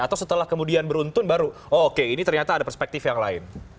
atau setelah kemudian beruntun baru oke ini ternyata ada perspektif yang lain